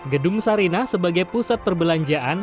gedung sarinah sebagai pusat perbelanjaan